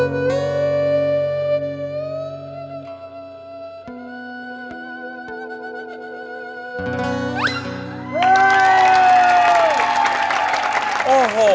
ตีนมาก